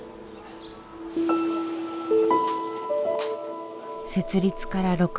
設立から６年。